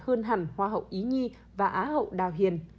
hơn hẳn hoa hậu ý nhi và á hậu đào hiền